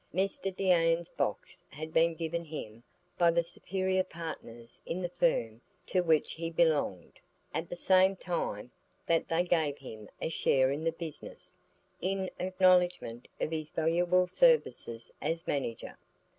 Mr Deane's box had been given him by the superior partners in the firm to which he belonged, at the same time that they gave him a share in the business, in acknowledgment of his valuable services as manager.